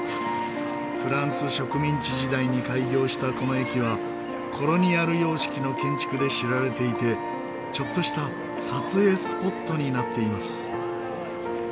フランス植民地時代に開業したこの駅はコロニアル様式の建築で知られていてちょっとした撮影スポットになっています。